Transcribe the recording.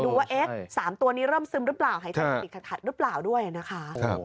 ดูว่า๓ตัวนี้เริ่มซึมหรือเปล่าหายใจติดขัดหรือเปล่าด้วยนะคะ